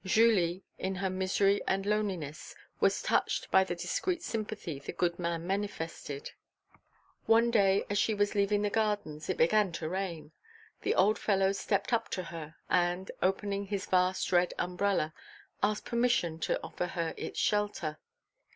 Julie, in her misery and loneliness, was touched by the discreet sympathy the good man manifested. One day, as she was leaving the gardens, it began to rain; the old fellow stepped up to her and, opening his vast red umbrella, asked permission to offer her its shelter.